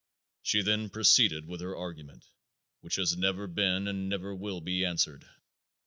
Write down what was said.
She then proceeded with her argument, which has never been and never will be answered.